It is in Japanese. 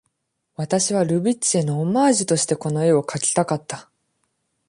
「私はルビッチへのオマージュとしてこの絵を描きたかった。